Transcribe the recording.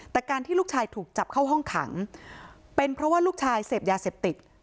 แต่การที่ลูกชายถูกจับเข้าห้องขังเป็นเพราะว่าลูกชายเสพยาเสพติด